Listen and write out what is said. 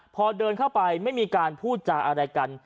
พอเดินเข้าไปไม่มีการพูดจาอะไรกัน